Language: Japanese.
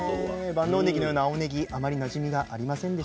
万能ねぎのような青ねぎあまりなじみがありませんでした。